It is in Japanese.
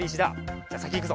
じゃさきいくぞ！